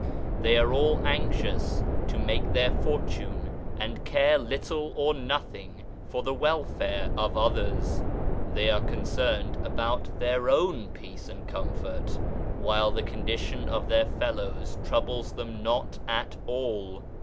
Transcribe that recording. They are all anxious to make their fortune and care little or nothing for the welfare of others. They are concerned about their own peace and comfort, while the condition of their fellows troubles them not at all.